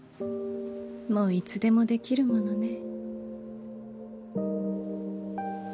もういつでもできるものね。